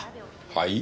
はい？